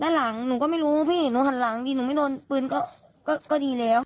หลังหนูก็ไม่รู้พี่หนูหันหลังดีหนูไม่โดนปืนก็ดีแล้ว